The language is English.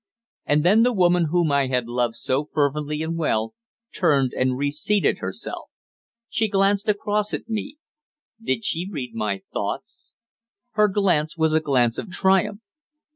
And then the woman whom I had loved so fervently and well, turned and re seated herself. She glanced across at me. Did she read my thoughts? Her glance was a glance of triumph.